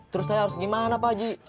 terus saya harus gimana pak haji